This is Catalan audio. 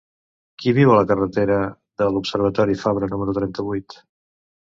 Qui viu a la carretera de l'Observatori Fabra número trenta-vuit?